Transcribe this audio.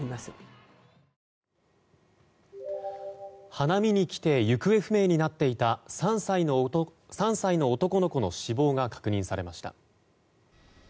花見に来て行方不明になっていた３歳の男の子の死亡が確認されました。